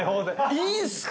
いいんすか！？